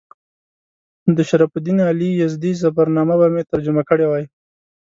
نو د شرف الدین علي یزدي ظفرنامه به مې ترجمه کړې وای.